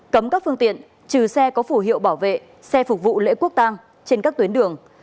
cấm các phương tiện trừ xe có phủ hiệu bảo vệ xe phục vụ lễ quốc tang trên các tuyến đường